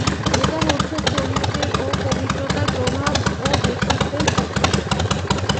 এটা হচ্ছে চরিত্রের ও পবিত্রতার প্রভাব, ও ব্যক্তিত্বের শক্তি।